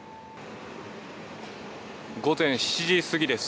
午前７時過ぎです。